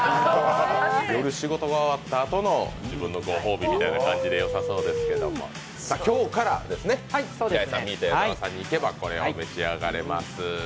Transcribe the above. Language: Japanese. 夜仕事が終わった後の自分のご褒美みたいな感じでよさそうですけど今日からですね、ミート矢澤さんに行けば召し上がれます。